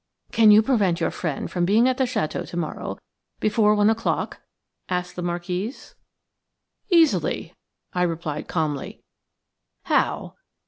"Can you prevent your friend from being at the château to morrow before one o'clock?" asked the Marquise. "Easily," I replied calmly. "How?"